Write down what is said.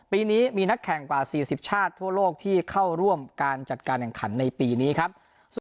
ปีนี้มีนักแข่งกว่า๔๐ชาติทั่วโลกที่เข้าร่วมการจัดการแข่งขันในปีนี้ครับ